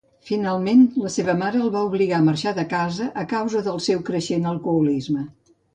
Finalment, la seva mare el va obligar a marxar de casa a causa del seu creixent alcoholisme.